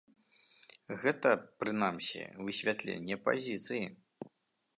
Гэта, прынамсі, высвятленне пазіцыі.